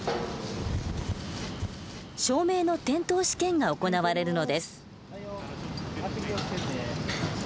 照明の点灯試験が行われるのです。